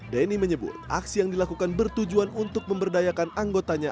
denny menyebut aksi yang dilakukan bertujuan untuk memberdayakan anggotanya